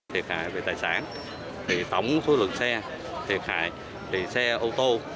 thiệt hại về tài sản thì tổng số lượng xe thiệt hại về xe ô tô